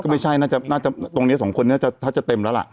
ก็ไม่ใช่น่าจะน่าจะตรงเนี้ยสองคนน่ะจะถ้าจะเต็มแล้วล่ะ